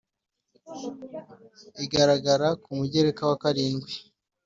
igaragara ku Mugereka wa karindwi